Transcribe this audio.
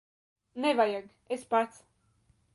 Nevajag. Es pats.